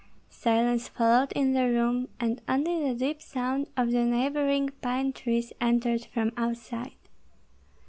Silence followed in the room, and only the deep sound of the neighboring pine trees entered from outside.